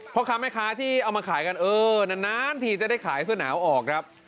พ่อค้าแม่ค้าที่เอามาขายกันเออนานทีจะได้ขายเสื้อหนาวออกครับ